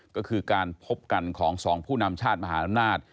ก็คือการพบกันของสองผู้นำชาติมหาอำนาจ